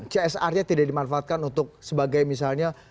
csr nya tidak dimanfaatkan untuk sebagai misalnya